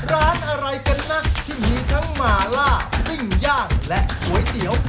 ร้านอะไรกันนะที่มีทั้งหมาล่าปิ้งย่างและก๋วยเตี๋ยว